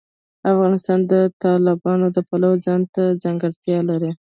افغانستان د تالابونه د پلوه ځانته ځانګړتیا لري.